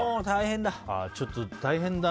ちょっと大変だな。